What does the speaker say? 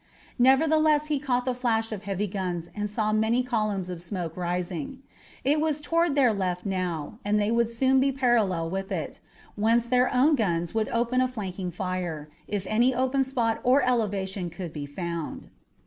Nevertheless he caught the flash of heavy guns and saw many columns of smoke rising. It was toward their left now, and they would soon be parallel with it, whence their own guns would open a flanking fire, if any open spot or elevation could be found.